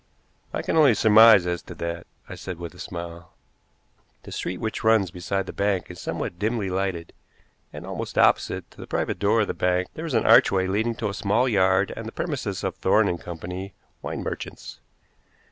"I can only surmise as to that," I said with a smile. "The street which runs beside the bank is somewhat dimly lighted, and almost opposite to the private door of the bank there is an archway leading to a small yard and the premises of Thorne & Co., wine merchants.